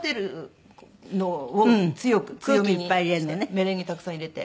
メレンゲたくさん入れて。